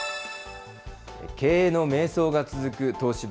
経営の迷走が続く東芝。